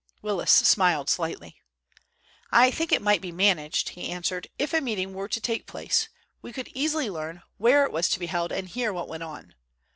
Willis smiled slightly. "I think it might be managed," he answered. "If a meeting were to take place we could easily learn where it was to be held and hear what went on.